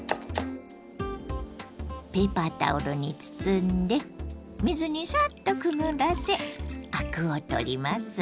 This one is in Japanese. ペーパータオルに包んで水にサッとくぐらせアクを取ります。